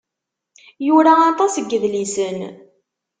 Yura aṭas n yedlisen.